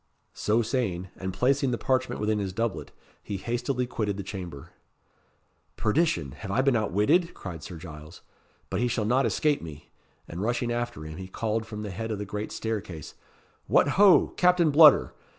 So saying, and placing the parchment within his doublet, he hastily quitted the chamber. "Perdition! have I been outwitted?" cried Sir Giles. "But he shall not escape me." And rushing after him, he called from the head of the great staircase "What, ho! Captain Bludder!